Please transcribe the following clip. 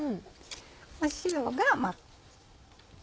塩が。